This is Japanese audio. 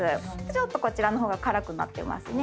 ちょっとこちらの方が辛くなってますね。